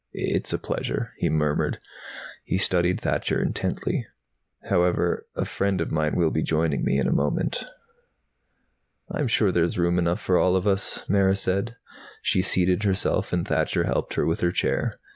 "It's a pleasure," he murmured. He studied Thacher intently. "However, a friend of mine will be joining me in a moment." "I'm sure there's room enough for us all," Mara said. She seated herself and Thacher helped her with her chair.